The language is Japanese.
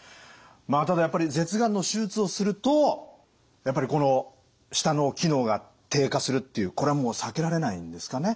ただやっぱり舌がんの手術をするとやっぱりこの舌の機能が低下するっていうこれはもう避けられないんですかね？